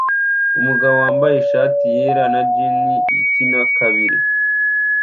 Umugabo wambaye ishati yera na jans ikina akabari